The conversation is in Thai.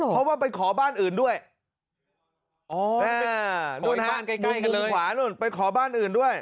เพราะว่าไปขอบ้านอื่นด้วย